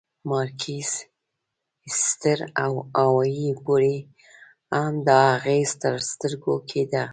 مارکیز، ایستر او هاوایي پورې هم دا اغېز تر سترګو کېده.